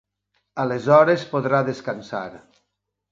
Aleshores podrà descansar.